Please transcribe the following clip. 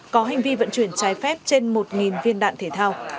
có hành vi vận chuyển trái phép trên một viên đạn thể thao